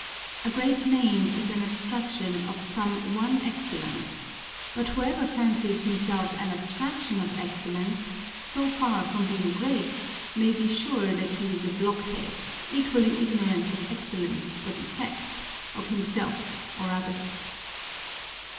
A great name is an abstraction of some one excellence : but whoever fancies himself an abstraction of excellence, so far from being great, may be sure that he is a blockhead, equally ignorant of excellence or defect, of himself or others.